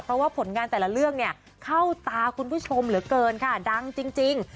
เพราะว่าผลงานแต่ละเรื่องเนี่ยเข้าตาคุณผู้ชมเหลือเกินค่ะดังจริง